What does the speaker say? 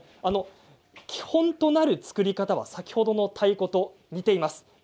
基本となる作り方は先ほどの太鼓と似ています。